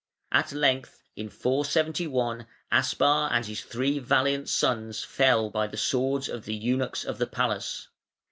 At length in 471 Aspar and his three valiant sons fell by the swords of the Eunuchs of the Palace.